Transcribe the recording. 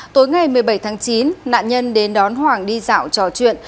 tối ngày một mươi bảy tháng chín nạn nhân đến đón hoàng đi dạo trò chuyện